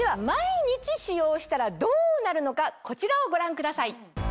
毎日使用したらどうなるのかこちらをご覧ください。